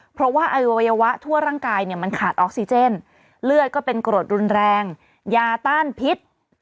เพราะว่าอวัยวะทั่วร่างกายเนี่ยมันขาดออกซิเจนเลือดก็เป็นโกรธรุนแรงยาต้านพิษ